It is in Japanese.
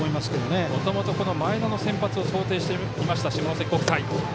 もともと前田の先発を想定していた下関国際。